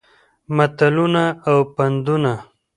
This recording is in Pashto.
متلونه او پندونه